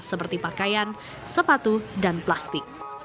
seperti pakaian sepatu dan plastik